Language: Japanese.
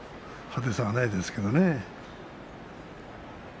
派手さはないですけどね。